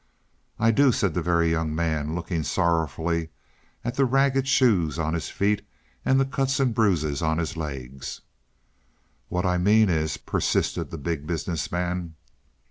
"I do," said the Very Young Man, looking sorrowfully at the ragged shoes on his feet and the cuts and bruises on his legs. "What I mean is " persisted the Big Business Man.